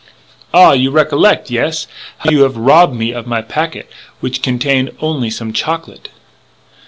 "Ah! You recollec'? Yes? How you have rob me of a pacquet which contain only some chocolate?"